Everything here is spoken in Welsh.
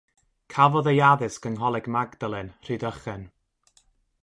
Cafodd ei addysg yng Ngholeg Magdalen, Rhydychen.